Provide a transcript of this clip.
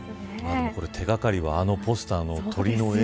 手掛かりはあのポスターの鳥の絵。